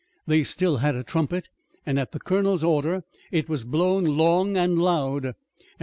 They still had a trumpet, and at the colonel's order it was blown long and loud.